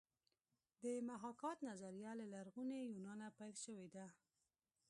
د محاکات نظریه له لرغوني یونانه پیل شوې ده